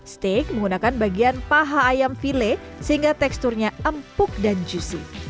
steak menggunakan bagian paha ayam file sehingga teksturnya empuk dan juicy